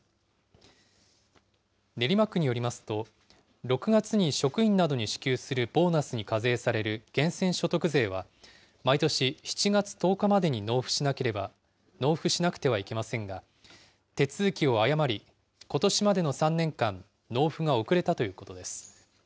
練馬区によりますと、６月に職員などに支給するボーナスに課税される源泉所得税は、毎年７月１０日までに納付しなくてはいけませんが、手続きを誤り、ことしまでの３年間、納付が遅れたということです。